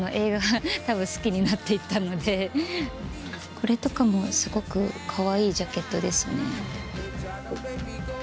これとかもすごくかわいいジャケットですね。